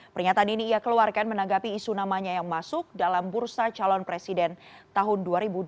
pernyataan ini ia keluarkan menanggapi isu namanya yang masuk dalam bursa calon presiden tahun dua ribu dua puluh